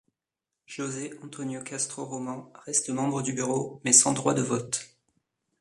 José Antonio Castro Román reste membre du bureau mais sans droit de vote.